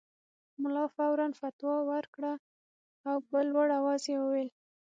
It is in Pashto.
ملا فوراً فتوی ورکړه او په لوړ اواز یې وویل.